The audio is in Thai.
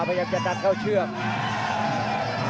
ไปกับกระทัดเข้าเชือก